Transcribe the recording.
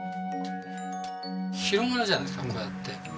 広がるじゃないですかこうやって。